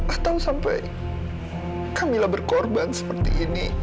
atau sampai kamilah berkorban seperti ini